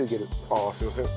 あっすいません。